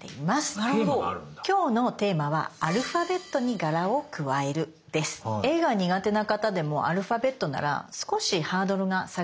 今日のテーマは絵が苦手な方でもアルファベットなら少しハードルが下がりますよね。